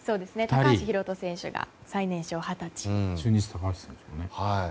高橋宏斗選手が最年少、二十歳。